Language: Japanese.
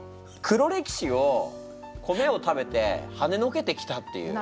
黒歴史を米を食べてはねのけてきたっていう。